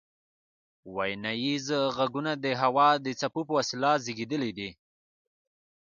ویناییز غږونه د هوا د څپو په وسیله زیږیدلي دي